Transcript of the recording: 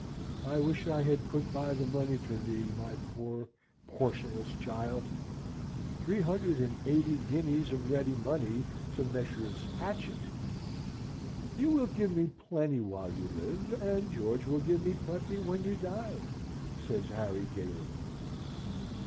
I wish I had put by the money for thee, my poor portionless child three hundred and eighty guineas of ready money to Messieurs Hatchett!" "You will give me plenty while you live, and George will give me plenty when you die," says Harry, gaily.